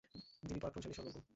যিনি পরাক্রমশালী সর্বজ্ঞ।